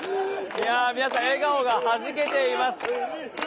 皆さん、笑顔がはじけています。